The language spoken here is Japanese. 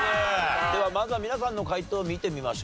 ではまずは皆さんの解答を見てみましょう。